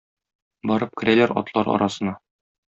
Барып керәләр атлар арасына.